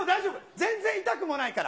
全然痛くもないから。